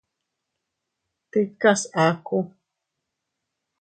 Tikas aku.